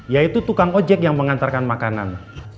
yaitu tukang ojek yang mengantarkan makanan